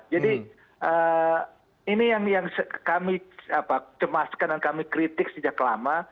jadi ini yang kami cemaskan dan kami kritik sejak lama